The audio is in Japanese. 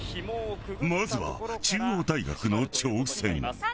まずは中央大学の挑戦。